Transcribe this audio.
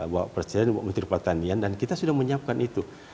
bapak presiden menteri pertanian dan kita sudah menyiapkan itu